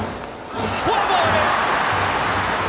フォアボール！